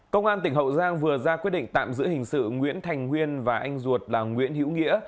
công an tỉnh hậu giang vừa ra quyết định tạm giữ hình sự nguyễn thành nguyên và anh ruột là nguyễn hữu nghĩa